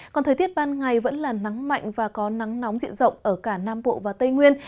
còn thời tiết ban ngày vẫn là nắng mạnh và có nắng nóng diện rộng ở cả nam bộ và tây nguyên